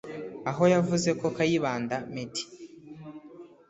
aho yavuze ko Kayibanda Meddy